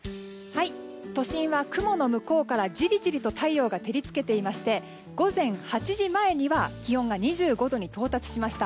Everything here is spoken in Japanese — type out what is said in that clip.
都心は雲の向こうからじりじりと太陽が照り付けていまして午前８時前には気温が２５度に到達しました。